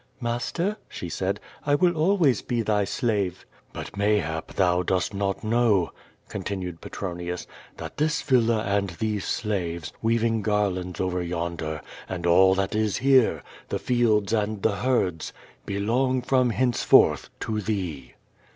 "Master," she said, "I will always be thy slave." "But, mayhap, thou dost not know," continued Petronius, "that this villa and these slaves, weaving garlands over yon der, and all that is here, the fields and the herds, belong from henceforth to thee."